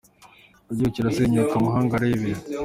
Igihugu kirasenyuka amahanga arebera